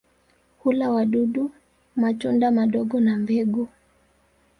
Hula wadudu, matunda madogo na mbegu.